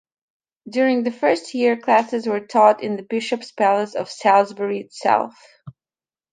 During the first year, classes were taught in the bishop's palace of Salisbury itself.